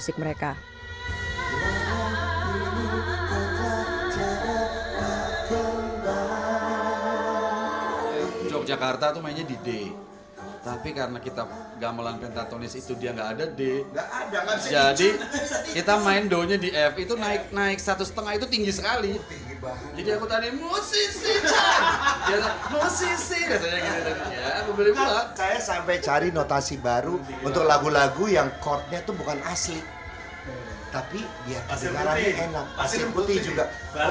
sementara sejumlah tembang hits kelah dieksplorasi dengan instrumen musik mereka